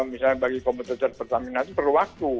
misalnya bagi kompetitor pertamina itu perlu waktu